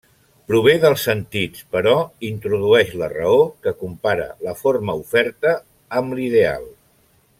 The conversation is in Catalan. Prové dels sentits però introdueix la raó, que compara la forma oferta amb l'ideal.